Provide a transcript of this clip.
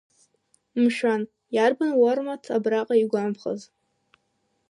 Мшәан, иарбан Уармаҭ абраҟа игәамԥхаз?